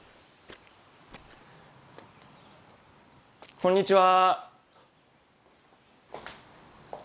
こんにちは。